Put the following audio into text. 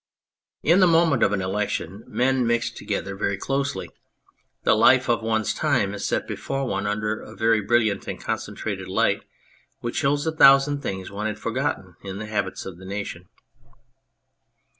In the moment of an election men mix together 98 The Shadows very closely ; the life of one's time is set before one under a very brilliant and concentrated light, which shows a thousand things one had forgotten in the habits of the nation.